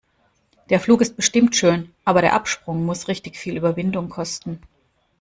Der Flug ist bestimmt schön, aber der Absprung muss richtig viel Überwindung kosten.